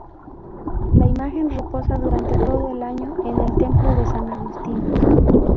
La imagen reposa durante todo el año en el Templo de San Agustín.